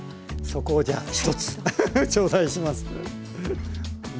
そこをじゃあ一つ頂戴します。